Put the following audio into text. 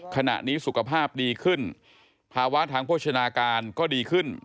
ขณะนี้สุขภาพดีขึ้นภาวะทางโภชนาการก็ดีขึ้น